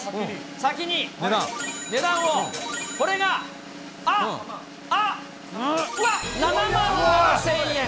先に、値段を、これが、あっ、あっ、うわっ、７万７０００円。